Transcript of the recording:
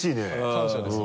感謝ですよ